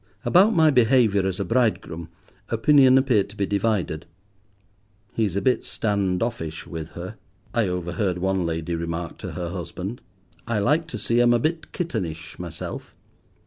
About my behaviour as a bridegroom opinion appeared to be divided. "He's a bit standoffish with her," I overheard one lady remark to her husband; "I like to see 'em a bit kittenish myself."